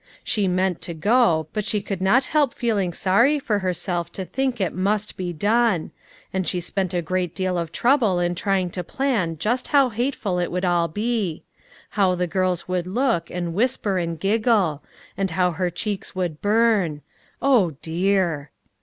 She meant to go, but she could not help being sorry for herself to think it must be done$ and she spent a great deal of trouble in trying to plan just how hateful it would all be ; how the girls would look, and whisper, and giggle ; and how her cheeks would burn. Oh dear!